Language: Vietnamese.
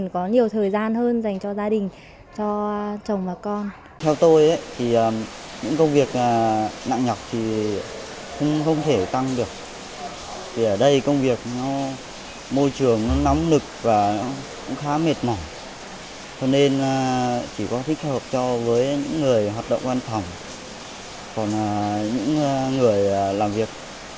cho nên chỉ có thích hợp cho với những người hoạt động việc